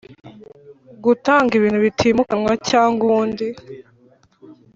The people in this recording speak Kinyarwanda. Gutanga ibintu bitimukanwa cyangwa ubundi